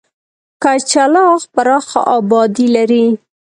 کچلاغ پراخه آبادي لري.